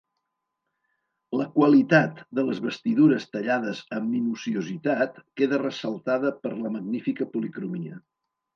La qualitat de les vestidures tallades amb minuciositat, queda ressaltada per la magnífica policromia.